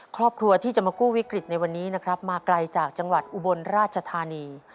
ครอบครัวที่จะมากู้วิกฤตในวันนี้นะครับมาไกลจากจังหวัดอุบลราชธานี